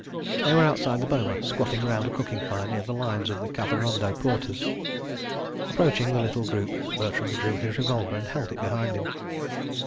They were outside the boma, squatting round a cooking fire near the "lines" of the Kavirondo porters. Approaching the little group, Bertram drew his revolver and held it behind him.